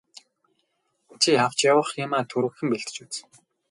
Чи авч явах юмаа түргэхэн бэлдэж үз.